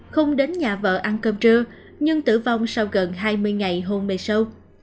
không đến nhà vợ ăn cơm trưa nhưng tử vong sau gần hai mươi ngày hôn mê sâu